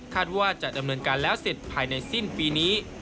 ว่าจะดำเนินการแล้วเสร็จภายในสิ้นปีนี้